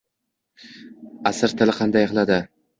Asr tili qanday qiladi.